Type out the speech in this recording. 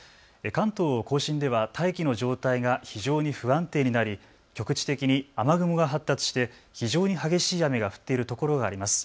関東甲信では大気の状態が非常に不安定になり局地的に雨雲が発達して非常に激しい雨が降っているところがあります。